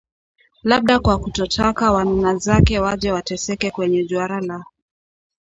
Labda kwa kutotaka wanuna zake waje wateseke kwenye duara la